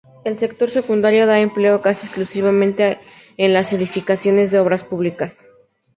El sector secundario da empleo casi exclusivamente en las edificaciones de obras públicas.